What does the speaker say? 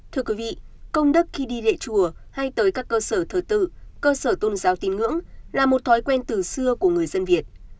thưa quý vị công đức khi đi lễ chùa hay tới các cơ sở thờ tự cơ sở tôn giáo tín ngưỡng là một thói quen từ xưa của người dân việt